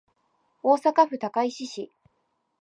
大阪府高石市